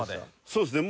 そうですね。